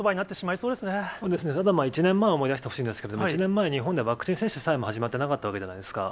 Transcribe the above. そうですね、ただまあ、１年前思い出してほしいですけれども、１年前には日本ではワクチン接種さえも始まっていなかったわけじゃないですか。